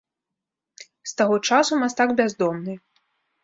З таго часу мастак бяздомны.